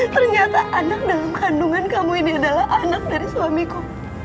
ternyata anak dalam kandungan kamu ini adalah anak dari suamiku